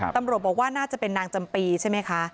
ตำรวจบอกว่าน่าจะเป็นนางจำปีใช่ไหมคะ